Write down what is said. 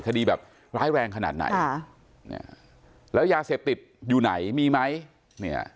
คดีแบบร้ายแรงขนาดไหนแล้วยาเสพติดอยู่ไหนมีไหม